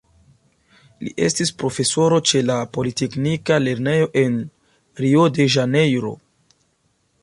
Li estis profesoro ĉe la Politeknika Lernejo en Rio-de-Ĵanejro.